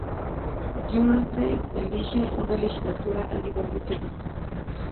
Guernsey elige una legislatura a nivel nacional.